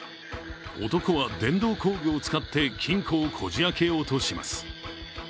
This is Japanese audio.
男は電動工具を使って金庫をこじ開けようとします。